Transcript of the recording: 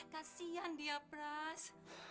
kasian dia pras